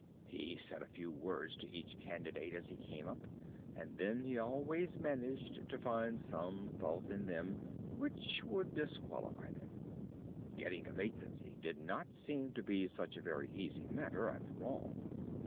He said a few words to each candidate as he came up, and then he always managed to find some fault in them which would disqualify them. Getting a vacancy did not seem to be such a very easy matter, after all.